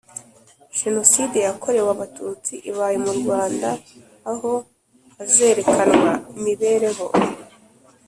Jenoside yakorewe Abatutsi ibaye mu Rwanda aho hazerekanwa imibereho